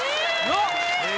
なっ？